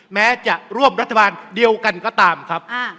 แม้จะร่วมรัฐบาลเดียวกันก็ตามครับ